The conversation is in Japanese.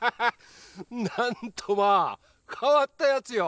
何とまあ変わったやつよ